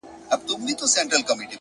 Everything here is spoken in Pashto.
• جنون مو مبارک سه زولنې دي چي راځي,